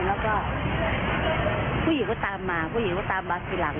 แล้วก็ผู้หญิงก็ตามมาผู้หญิงก็ตามมาทีหลัง